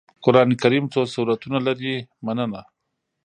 قرآن کريم څو سورتونه لري مننه